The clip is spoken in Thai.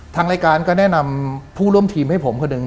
ทางรายการก็แนะนำผู้ร่วมทีมให้ผมคนหนึ่ง